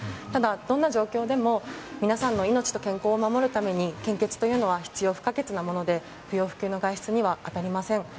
ただ、どんな状況でも皆さんの命と健康を守るために献血というのは必要不可欠で不要不急の外出には当たりません。